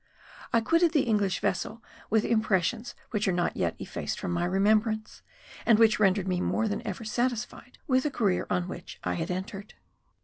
I quitted the English vessel with impressions which are not yet effaced from my remembrance, and which rendered me more than ever satisfied with the career on which I had entered.